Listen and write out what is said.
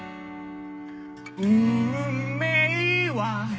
運命は